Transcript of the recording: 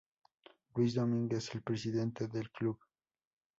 Luis Domínguez, el presidente del club.